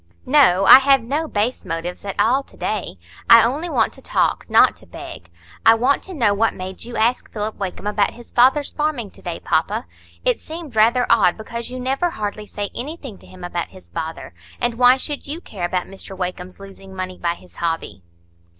"No, I have no base motives at all to day. I only want to talk, not to beg. I want to know what made you ask Philip Wakem about his father's farming to day, papa? It seemed rather odd, because you never hardly say anything to him about his father; and why should you care about Mr Wakem's losing money by his hobby?"